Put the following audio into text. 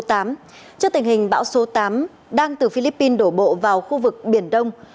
trước tình hình bão số tám đang từ philippines đổ bộ vào khu vực biển đông